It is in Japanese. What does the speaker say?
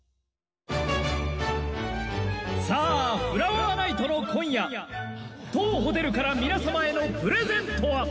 さあフラワーナイトのこんやとうホテルからみなさまへのプレゼントは！